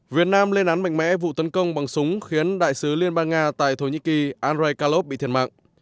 việt nam lên án mạnh mẽ vụ tấn công bằng súng khiến đại sứ liên bang nga tại thổ nhĩ kỳ anrey calov bị thiệt mạng